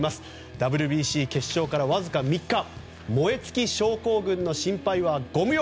ＷＢＣ決勝から、わずか３日燃え尽き症候群の心配はご無用。